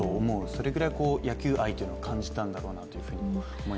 それくらい野球愛を感じたんだろうと思いますね。